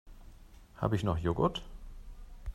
Habe ich noch Joghurt?